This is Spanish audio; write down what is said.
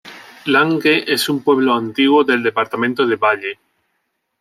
Langue es un pueblo antiguo del departamento de valle.